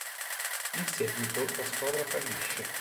In seguito la squadra fallisce.